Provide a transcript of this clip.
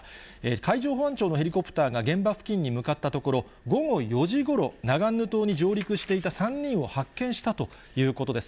海上保安庁のヘリコプターが現場付近に向かったところ、午後４時ごろ、ナガンヌ島に上陸していた３人を発見したということです。